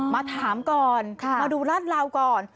มาถามก่อนมาดูราดราวก่อน